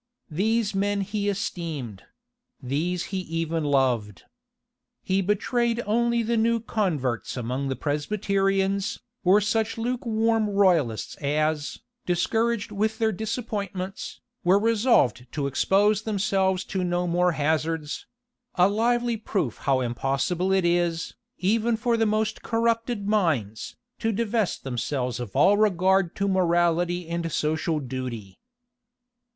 These men he esteemed; these he even loved. He betrayed only the new converts among the Presbyterians, or such lukewarm royalists as, discouraged with their disappointments, were resolved to expose themselves to no more hazards; a lively proof how impossible it is, even for the most corrupted minds, to divest themselves of all regard to morality and social duty.